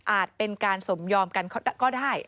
เป็นการสมยอมกันก็ได้